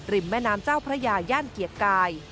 ริมแม่นามเจ้าพระยาย่านเกียกกาย